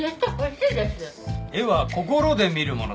絵は心で見るものだ。